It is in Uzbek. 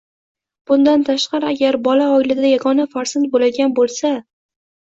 Bundan tashqari, agar bola oilada yagona farzand bo‘ladigan bo‘lsa